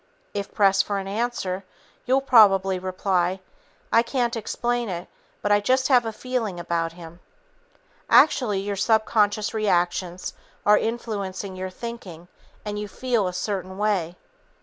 If pressed for an answer, you'll usually reply, "I can't explain it, but I just have a feeling about him." Actually, your subconscious reactions are influencing your thinking and you "feel" a certain way.